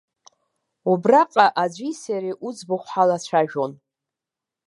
Убраҟа аӡәи сареи уӡбахә ҳалацәажәон.